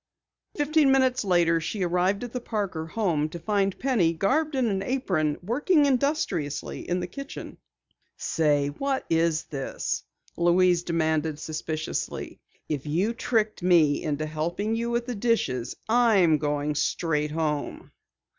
Fifteen minutes later she arrived at the Parker home to find Penny, garbed in an apron, working industriously in the kitchen. "Say, what is this?" Louise demanded suspiciously. "If you tricked me into helping you with the dishes, I'm going straight home!"